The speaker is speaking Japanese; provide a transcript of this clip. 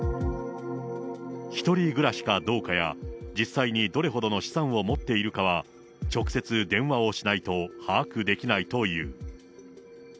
１人暮らしかどうかや、実際にどれほどの資産を持っているかは直接電話をしないと把握できないという。